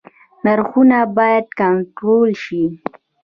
نرخونه باید کنټرول شي